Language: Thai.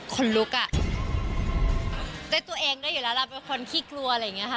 คนลุกอ่ะได้ตัวเองได้อยู่แล้วเราเป็นคนขี้กลัวอะไรอย่างนี้ค่ะ